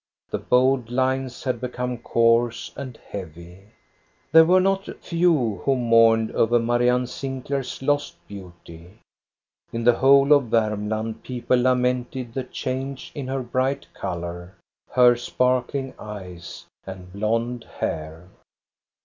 The bold lines had become coarse and heavy. They were not few who mourned over Marianne Sinclair's lost beauty. In the whole of Varmland, people lamented the change in her bright color, har THE AUCTION AT BJORNE 155 sparkling eyes, and blond hair.